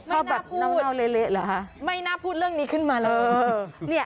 ชอบแบบนั่งเละเหรอคะไม่น่าพูดเรื่องนี้ขึ้นมาเลย